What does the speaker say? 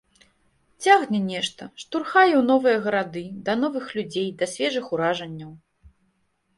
Цягне нешта, штурхае ў новыя гарады, да новых людзей, да свежых уражанняў.